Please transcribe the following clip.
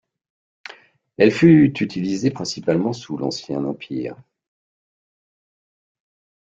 Elle fut utilisée principalement sous l'Ancien Empire.